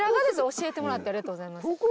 教えてもらってありがとうございます。